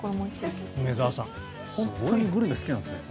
本当にグルメ好きなんですね。